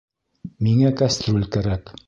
Миңә кәстрүл кәрәк